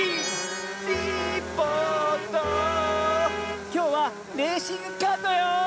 きょうはレーシングカートよ！